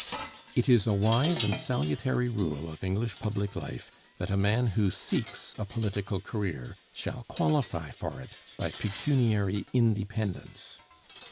It is a wise and salutary rule of English public life that a man who seeks a political career shall qualify for it by pecuniary independence.